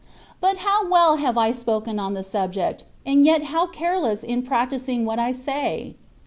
But how well have I spoken on the subject, and yet how careless in practising what I say